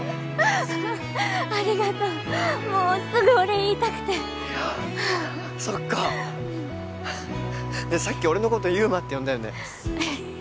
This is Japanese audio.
ありがとうもうすぐお礼言いたくていやそっかうんねえさっき俺のこと祐馬って呼んだよねえっ